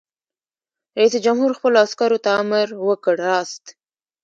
رئیس جمهور خپلو عسکرو ته امر وکړ؛ راست!